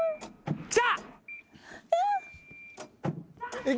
来た！